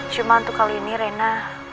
cuma untuk kali ini rena